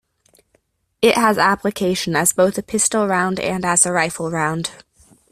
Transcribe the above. It has application as both a pistol round and as a rifle round.